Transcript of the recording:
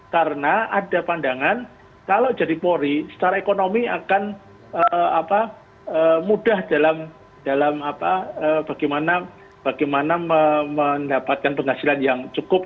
karena ada pandangan kalau jadi pori secara ekonomi akan mudah dalam bagaimana mendapatkan penghasilan yang cukup